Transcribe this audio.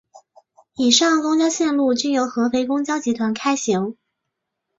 以上公交线路均由合肥公交集团开行。